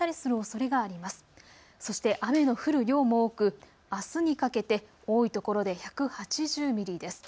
そして雨の降る量も多くあすにかけて多いところで１８０ミリです。